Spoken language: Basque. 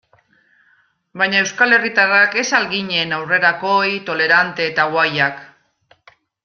Baina euskal herritarrak ez al ginen aurrerakoi, tolerante eta guayak?